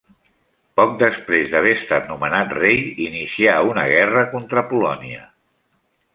Poc després d'haver estat nomenat rei, inicià una guerra contra Polònia.